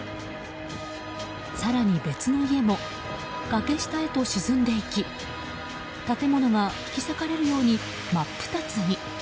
更に、別の家も崖下へと沈んでいき建物は引き裂かれるように真っ二つに。